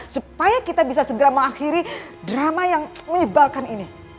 supaya kita bisa segera mengakhiri drama yang menyebalkan ini